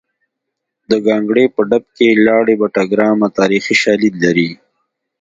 د ګانګړې په ډب کې لاړې بټه ګرامه تاریخي شالید لري